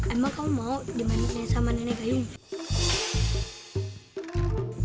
emang kamu mau dimandiin sama nenek gayung